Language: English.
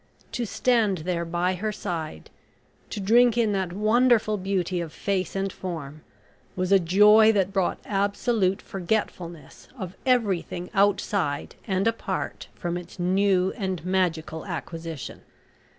To stand there by her side, to drink in that wonderful beauty of face and form, was a joy that brought absolute forgetfulness of everything outside and apart from its new and magical acquisition.